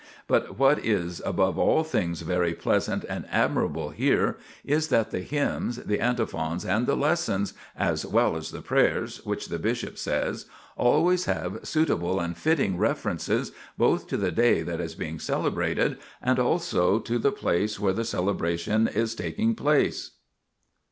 But what is above all things very pleasant and admirable here, is that the hymns, the antiphons, and the lessons, as well as the prayers which the bishop says, always have suitable and fitting references, both to the day that is being celebrated and also to the place where the celebration is taking place.